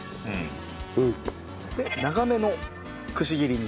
で長めのくし切りに。